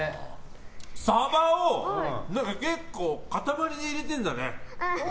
サバを結構、塊で入れてるんだね。